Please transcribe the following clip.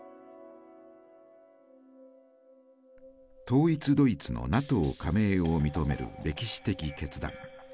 統一ドイツのＮＡＴＯ加盟を認める歴史的決断。